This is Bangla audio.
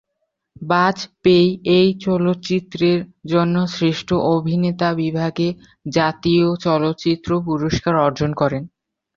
বাজপেয়ী এই চলচ্চিত্রের জন্য শ্রেষ্ঠ অভিনেতা বিভাগে জাতীয় চলচ্চিত্র পুরস্কার অর্জন করেন।